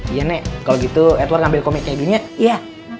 iya nek kalau gitu edward ngambil komiknya iya